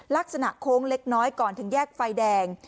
โค้งเล็กน้อยก่อนถึงแยกไฟแดง